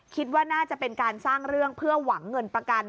คิดว่าน่าจะเป็นการสร้างเรื่องเพื่อหวังเงินประกัน